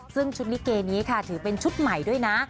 ซึ่งชุดลิเกนี้ค่ะถือเป็นชุดใหม่ด้วยนะ